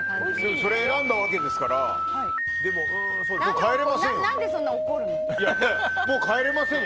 それを選んだわけですからもう変えられませんよ。